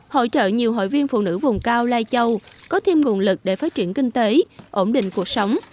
hỗ trợ nhiều hội viên phụ nữ vùng cao lai châu có thêm nguồn lực để phát triển kinh tế ổn định cuộc sống